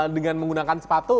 dengan menggunakan sepatu